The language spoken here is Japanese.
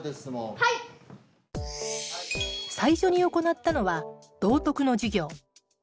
最初に行ったのは道徳の授業。